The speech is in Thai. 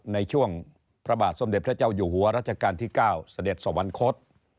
ในช่วงพระบาทสมเด็จพระเจ้าอยู่หัวรัชกาลที่๙เสด็จสวรรคต